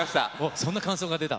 そんな感想が出た。